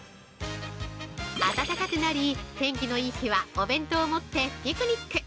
暖かくなり、天気のいい日はお弁当を持ってピクニック！